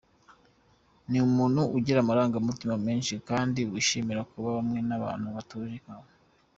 Ni umuntu ugira amarangamutima menshi kandi wishimira kuba hamwe n’abantu batuje nkawe.